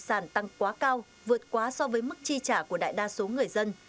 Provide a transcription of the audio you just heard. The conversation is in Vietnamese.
sản tăng quá cao vượt quá so với mức chi trả của đại đa số người dân